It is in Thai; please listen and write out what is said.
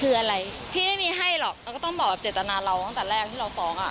เราก็ต้องบอกเจตนาเราตั้งแต่แรกที่เราฟ้อง